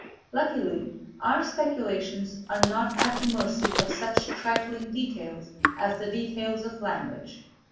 Luckily, our speculations are not at the mercy of such trifling details as the details of language.